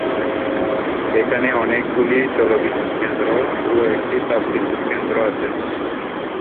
এখানে অনেকগুলি জলবিদ্যুৎ কেন্দ্র ও একটি তাপবিদ্যুৎ কেন্দ্র আছে।